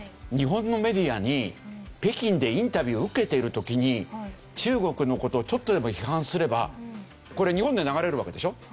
日本のメディアに北京でインタビューを受けている時に中国の事をちょっとでも批判すればこれ日本で流れるわけでしょ。